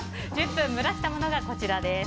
１０分蒸らしたものがこちらです。